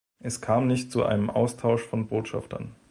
Es kam nicht zu einem Austausch von Botschaftern.